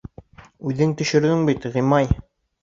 — Үҙең төшөрҙөң бит, Ғимай.